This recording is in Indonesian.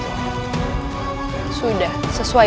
tengku agresif sekali